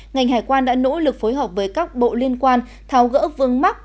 ngành hải quan đã nỗ lực phối hợp với các bộ liên quan tháo gỡ vương mắc